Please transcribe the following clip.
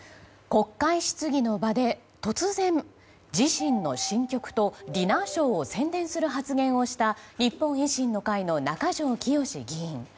国会質疑の場で突然、自身の新曲とディナーショーを宣伝する発言をした日本維新の会の中条きよし議員。